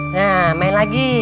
nah main lagi